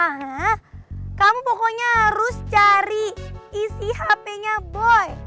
ah kamu pokoknya harus cari isi hp nya boy